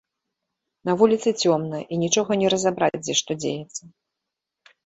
На вуліцы цёмна, і нічога не разабраць, дзе што дзеецца.